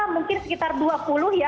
mungkin sekitar dua puluh ya